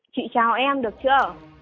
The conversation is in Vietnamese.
chị chào em được chưa